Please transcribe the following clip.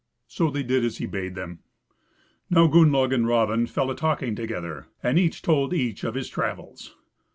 So they did as he bade them. Now Gunnlaug and Raven fell a talking together, and each told each of his travels.